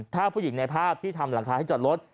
ถ้าผู้หญิงในภาพที่ทำหลังคาให้จอดรถ